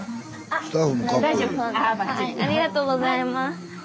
ありがとうございます。